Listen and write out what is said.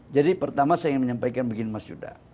jadi pertama saya ingin menyampaikan begini mas yuda